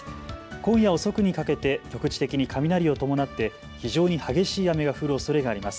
今夜遅くにかけて局地的に雷を伴って非常に激しい雨が降るおそれがあります。